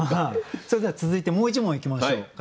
それでは続いてもう一問いきましょう。